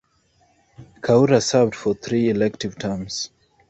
Kaura served for three elective terms.